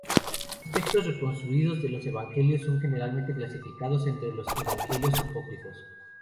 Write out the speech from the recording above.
Los textos reconstruidos de los evangelios son generalmente clasificados entre los evangelios apócrifos.